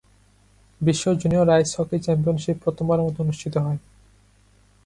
বিশ্ব junior ice hockey championship প্রথমবারের মতো অনুষ্ঠিত হয়।